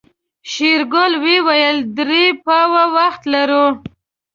شېرګل وويل درې پاوه وخت لرو.